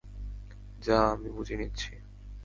যা, আমি বুঝে নিচ্ছি।